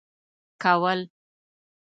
كول.